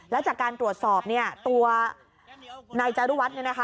แล้วจากการตรวจสอบเนี่ยตัวนายจารุวัฒน์เนี่ยนะคะ